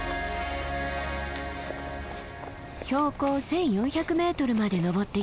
標高１，４００ｍまで登ってきた。